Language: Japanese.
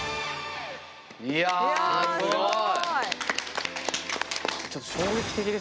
いやすごい！